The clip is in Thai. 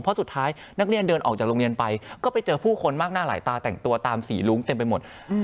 เพราะสุดท้ายนักเรียนเดินออกจากโรงเรียนไปก็ไปเจอผู้คนมากหน้าหลายตาแต่งตัวตามสีรุ้งเต็มไปหมด